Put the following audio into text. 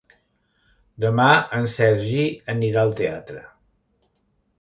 Demà en Sergi anirà al teatre.